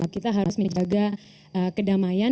kita harus menjaga kedamaian